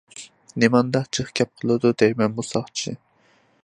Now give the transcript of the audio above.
نېمانداق جىق گەپ قىلىدۇ دەيمەن بۇ ساقچى.